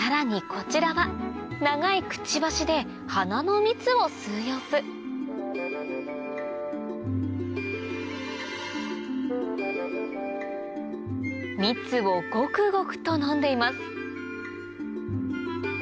こちらは長いくちばしで花の蜜を吸う様子蜜をゴクゴクと飲んでいます